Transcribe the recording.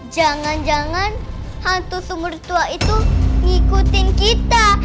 jangan jangan hantu sumur tua itu ngikutin kita